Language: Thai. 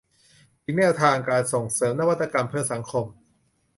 ถึงแนวทางการส่งเสริมนวัตกรรมเพื่อสังคม